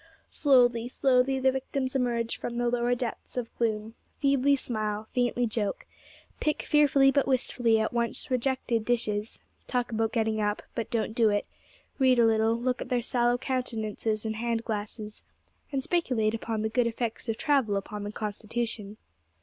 Slowly, slowly the victims emerge from the lower depths of gloom, feebly smile, faintly joke, pick fearfully but wistfully at once rejected dishes; talk about getting up, but don't do it; read a little, look at their sallow countenances in hand glasses, and speculate upon the good effects of travel upon the constitution.